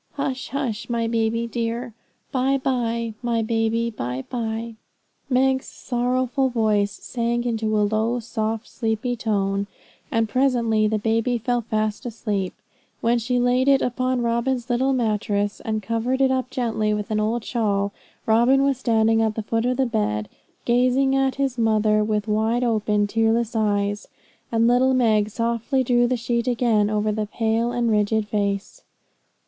'Hush, hush, my baby dear! By by, my baby, by by!' Meg's sorrowful voice sank into a low, soft, sleepy tone, and presently the baby fell fast asleep, when she laid it upon Robin's little mattress, and covered it up gently with an old shawl. Robin was standing at the foot of the bed, gazing at his mother with wide open, tearless eyes; and little Meg softly drew the sheet again over the pale and rigid face.